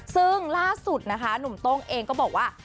ซึ่งล่าสุดนะคะหนุ่มโต้งเองก็บอกว่า